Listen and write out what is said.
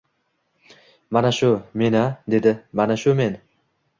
— Mana shu... men-a? — dedi. — Mana shu men!